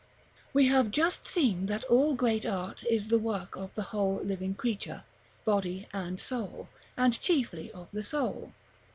§ XXI. We have just seen that all great art is the work of the whole living creature, body and soul, and chiefly of the soul.